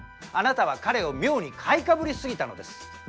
あなたは彼を妙に買いかぶりすぎたのです。